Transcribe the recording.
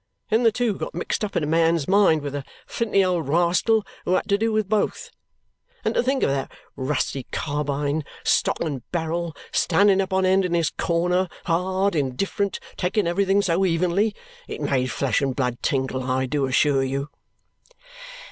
Then the two got mixed up in a man's mind with a flinty old rascal who had to do with both. And to think of that rusty carbine, stock and barrel, standing up on end in his corner, hard, indifferent, taking everything so evenly it made flesh and blood tingle, I do assure you."